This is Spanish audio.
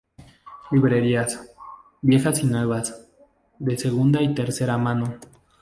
Librerías, viejas y nuevas, de segunda y de tercera mano.